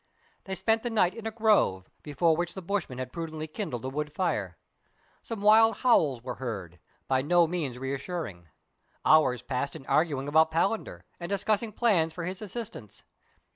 They spent the night in a grove, before which the bushman had prudently kindled a wood fire. Some wild howls were heard, by no means reassuring. Hours passed in arguing about Palander, and discussing plans for his assistance.